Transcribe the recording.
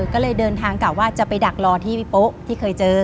ก็เลยเดินทางกลับว่าจะไปดักรอที่พี่โป๊ะที่เคยเจอ